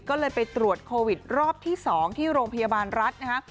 ก็เลยไปตรวจโควิดรอบที่๒ที่โรงพยาบาลรัฐนะฮะ